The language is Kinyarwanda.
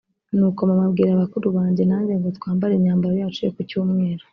nuko mama abwira bakuru banjye nanjye ngo twambare imyambaro yacu yo ku Cyumweru